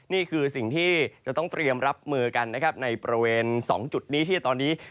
นี่คือสิ่งที่จะต้องเตรียมรับมือกันนะครับในบริเวณ๒จุดนี้ที่ตอนนี้